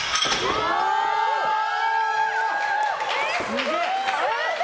すげえ！